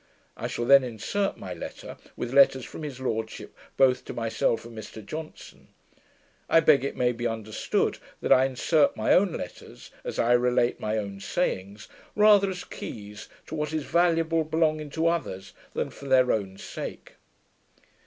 I shall then insert my letter, with letters from his lordship, both to myself and Mr Johnson. I beg it may be understood, that I insert my own letters, as I relate my own sayings, rather as keys to what is valuable belonging to others, than for their own sake.